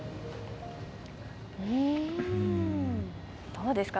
どうですか？